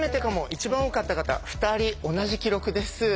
一番多かった方２人同じ記録です。